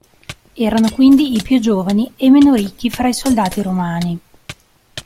Erano quindi i più giovani e meno ricchi fra i soldati romani.